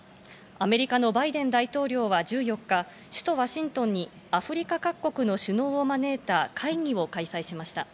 アメリカのバイデン大統領は１４日、首都ワシントンにアフリカ各国の首脳を招いた会議を開催しました。